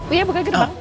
uya buka gerbang